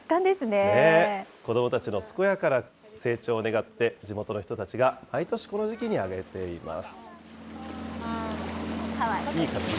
子どもたちの健やかな成長を願って、地元の人たちが毎年この時期に揚げています。